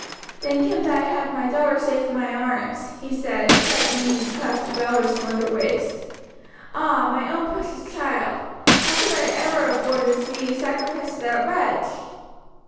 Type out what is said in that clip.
"Thank Him that I have my daughter safe in my arms," he said, tightening his clasp about her slender waist. "Ah, my own precious child, how could I ever have borne to see you sacrificed to that wretch!"